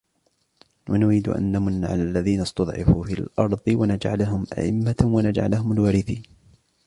وَنُرِيدُ أَنْ نَمُنَّ عَلَى الَّذِينَ اسْتُضْعِفُوا فِي الْأَرْضِ وَنَجْعَلَهُمْ أَئِمَّةً وَنَجْعَلَهُمُ الْوَارِثِينَ